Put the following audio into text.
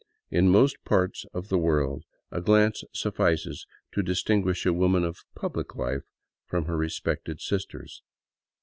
In most parts of the vorld a glance suffices to distinguish a woman of public life from her j'espected sisters.